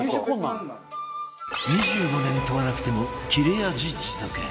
２５年研がなくても切れ味持続